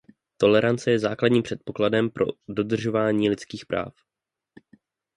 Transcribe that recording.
Tolerance je základním předpokladem pro dodržování lidských práv.